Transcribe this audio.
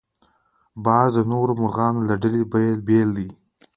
باز د نورو مرغانو له ډلې بېل دی